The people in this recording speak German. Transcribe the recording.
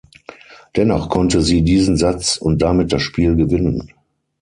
Dennoch konnte sie diesen Satz und damit das Spiel gewinnen.